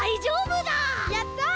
やった！